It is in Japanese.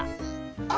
あ！